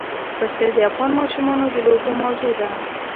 پسه د افغان ماشومانو د لوبو موضوع ده.